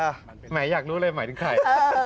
หมายอยากรู้เลยหมายถึงใคร